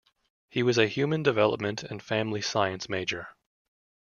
He was a human development and family science major.